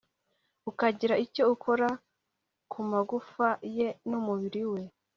ukagira icyo ukora ku magufa ye n'umubiri we